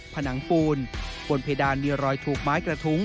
ผนังปูนบนเพดานมีรอยถูกไม้กระทุ้ง